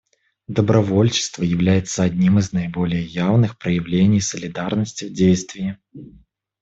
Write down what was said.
Добровольчество является одним из наиболее явных проявлений солидарности в действии.